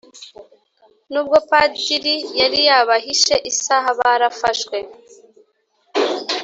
nubwo padiri yari yabahishe isaha barafashwe